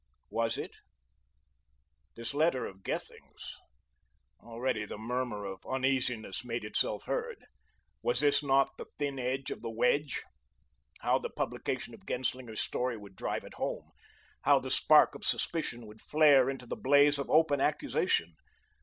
Was it? This letter of Gethings's. Already the murmur of uneasiness made itself heard. Was this not the thin edge of the wedge? How the publication of Genslinger's story would drive it home! How the spark of suspicion would flare into the blaze of open accusation!